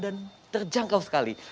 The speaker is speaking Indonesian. dan terjangkau sekali